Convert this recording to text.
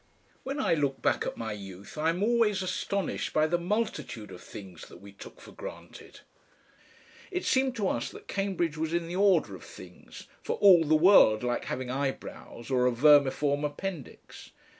When I look back at my youth I am always astonished by the multitude of things that we took for granted. It seemed to us that Cambridge was in the order of things, for all the world like having eyebrows or a vermiform appendix.